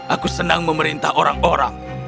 aku senang memerintah orang orang